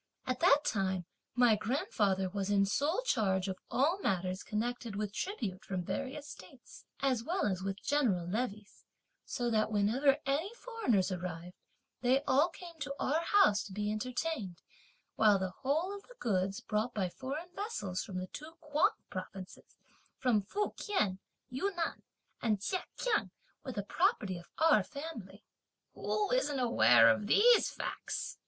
At that time my grandfather was in sole charge of all matters connected with tribute from various states, as well as with general levées, so that whenever any foreigners arrived, they all came to our house to be entertained, while the whole of the goods, brought by foreign vessels from the two Kuang provinces, from Fukien, Yunnan and Chekiang, were the property of our family." "Who isn't aware of these facts?"